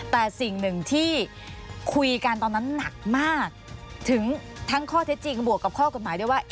แต่สิ่งหนึ่งที่คุยกันตอนนั้นหนักมากถึงทั้งข้อเท็จจริงบวกกับข้อกฎหมายด้วยว่า